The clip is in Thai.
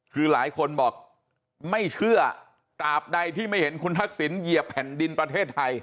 คือหลายคนบอกไม่เชื่อตราบใดที่ไม่เห็นคุณทักษิณเหยียบแผ่นดินประเทศไทย